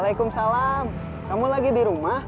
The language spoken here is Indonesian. mau pindah ke tempat yang atau